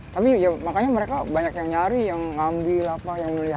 tapi ya makanya mereka banyak yang nyari yang ngambil apa yang mulia